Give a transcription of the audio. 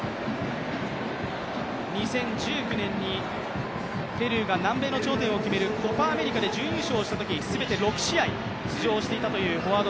２０１９年にペルーが南米の頂点を決めるコパアメリカで準優勝したとき全て４試合、出場していたというフォワード。